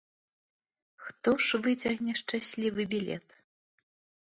Хто ж выцягне шчаслівы білет?